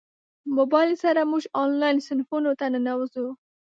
موبایل سره موږ انلاین صنفونو ته ننوځو.